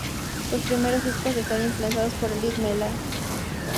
Sus primeros discos están influenciados por el death metal.